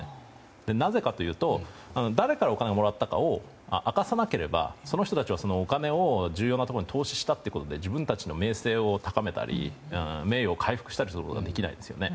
なぜかというと誰からお金をもらったかを明かさなければその人たちはお金を重要なとこに投資したってことで自分たちの名声を高めたり名誉を回復したりすることができないですよね。